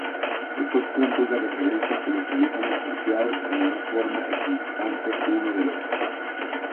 Estos puntos de referencia se localizan espaciados en una forma equidistante uno del otro.